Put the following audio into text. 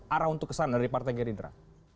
arah untuk kesan dari partai geridra